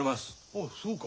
ああそうか。